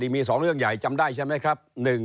มี๒เรื่องใหญ่จำได้ใช่ไหมครับ